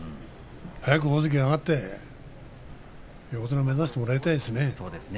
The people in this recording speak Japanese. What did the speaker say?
早く大関に上がって横綱目指してもらいたいですね。